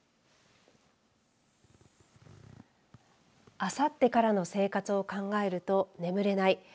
あさってからの生活を考えると眠れない。